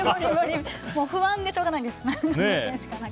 不安でしょうがないです。